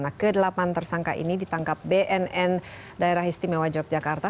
nah kedelapan tersangka ini ditangkap bnn daerah istimewa yogyakarta